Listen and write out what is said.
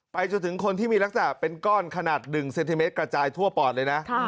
จนถึงคนที่มีลักษณะเป็นก้อนขนาด๑เซนติเมตรกระจายทั่วปอดเลยนะ